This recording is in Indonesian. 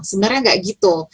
sebenarnya tidak begitu